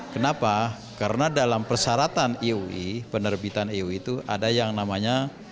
kenapa karena dalam persyaratan iui penerbitan iu itu ada yang namanya